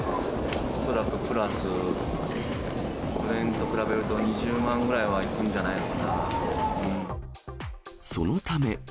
恐らくプラス、去年と比べると２０万ぐらいはいくんじゃないのそのため。